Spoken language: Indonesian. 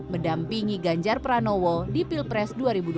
mendampingi ganjar pranowo di pilpres dua ribu dua puluh